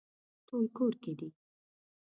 ټول کور کې دي